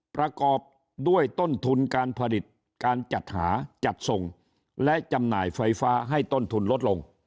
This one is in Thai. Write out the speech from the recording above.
ประกอบด้วยต้นทุนการผลิตการจัดหาจัดส่งและจำหน่ายไฟฟ้าให้ต้นทุนลดลง